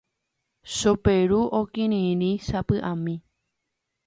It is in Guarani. Choperu okirirĩ sapy'ami.